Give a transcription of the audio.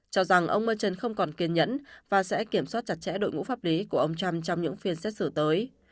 cho rằng ông merton không còn kiên nhẫn và sẽ kiểm soát chặt chẽ đội ngũ pháp lý của ông trump trong những phiên xét xử tới